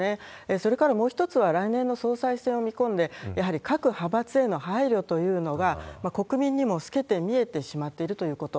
それからもう一つは、来年の総裁選を見込んで、やはり各派閥への配慮というのが国民にも透けて見えてしまっているということ。